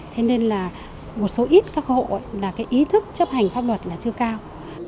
thế nên là một số ít các hộ ý thức chấp hành pháp luật là chưa cao